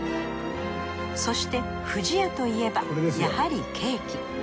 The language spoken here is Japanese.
そして不二家といえばやはりケーキ。